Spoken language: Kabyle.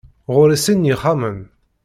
Ɣur-i sin n yixxamen.